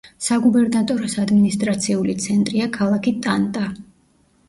საგუბერნატოროს ადმინისტრაციული ცენტრია ქალაქი ტანტა.